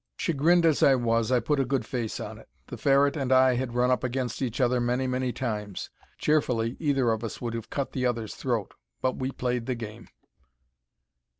Chagrined as I was, I put a good face on it. The Ferret and I had run up against each other many many times. Cheerfully, either of us would have cut the other's throat. But we played the game.